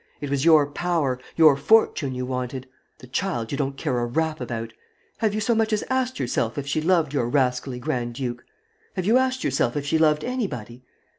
It was your power, your fortune you wanted. The child you don't care a rap about. Have you so much as asked yourself if she loved your rascally grand duke? Have you asked yourself if she loved anybody?